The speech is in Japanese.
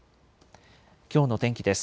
きょうの天気です。